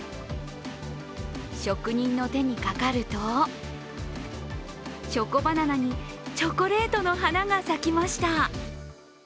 職人の手にかかるとチョコバナナにチョコレートの花が咲きました。